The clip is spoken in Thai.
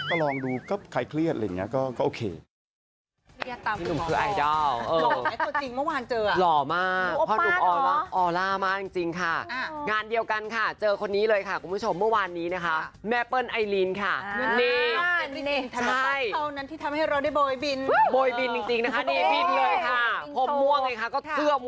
ก็ลองดูก็ต้องค่อยเครียดอะไรแบบเนี้ยก็โอเค